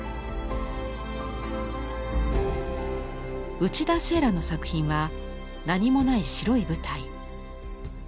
内田聖良の作品は何もない白い舞台。